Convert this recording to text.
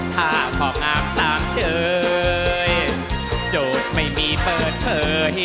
ถ้าของามสามเฉยโจทย์ไม่มีเปิดเผย